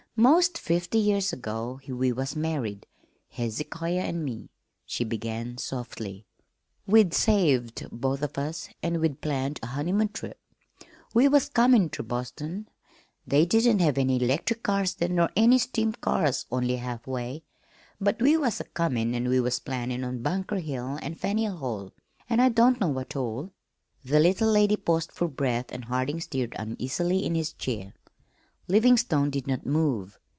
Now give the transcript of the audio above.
"'Most fifty years ago we was married, Hezekiah an' me," she began softly. "We'd saved, both of us, an' we'd planned a honeymoon trip. We was comin' ter Boston. They didn't have any 'lectric cars then nor any steam cars only half way. But we was comin' an' we was plannin' on Bunker Hill an' Faneuil Hall, an' I don't know what all." The little lady paused for breath and Harding stirred uneasily in his chair. Livingstone did not move.